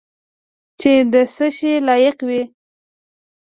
چې د څه شي لایق یو .